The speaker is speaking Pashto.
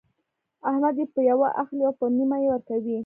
احمد يې په يوه اخلي او په نيمه يې ورکوي.